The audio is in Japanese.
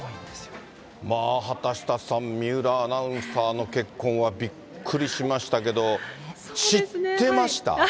畑下さん、水卜アナウンサーの結婚はびっくりしましたけど、知ってました？